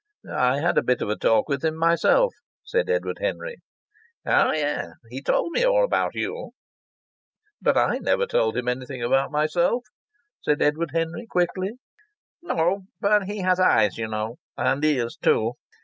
"I had a bit of a talk with him myself," said Edward Henry. "Oh, yes! He told me all about you." "But I never told him anything about myself," said Edward Henry, quickly. "No, but he has eyes, you know, and ears too.